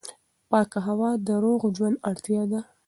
پاکه هوا د روغ ژوند اړتیا ده.